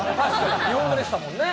日本語でしたもんね。